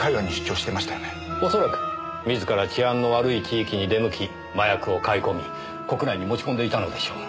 おそらく自ら治安の悪い地域に出向き麻薬を買い込み国内に持ち込んでいたのでしょう。